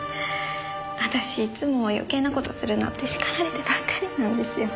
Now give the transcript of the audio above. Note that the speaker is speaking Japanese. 私いつも余計な事するなって叱られてばっかりなんですよ。